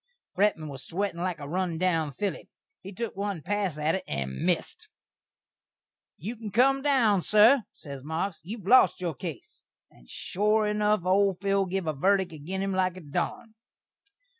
Fretman was a swettin' like a run down filly. He took one pass at it, and missd. "You can cum down, sur," ses Marks, "you've lost your case;" and shore enuf, old Phil giv a verdik agin him like a darn.